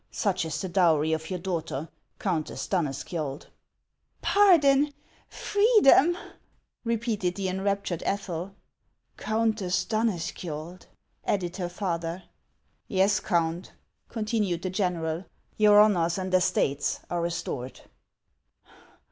Such is the dowry of your daughter, Countess Danneskiold." " Pardon ! freedom !" repeated the enraptured Ethel. " Countess Danneskiold !" added her father. " Yes, Count," continued the general ;" your honors and estates are restored."